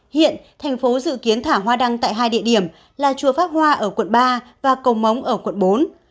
hiện thành phố dự kiến thả hoa đăng tại hai địa điểm là chùa pháp hoa ở quận ba và cầu móng ở quận bốn